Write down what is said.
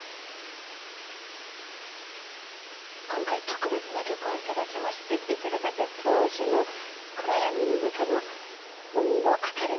今回特別な許可を頂きましてできるだけ当時の暗闇の中のほんの明かりに近づけてみたいと思います。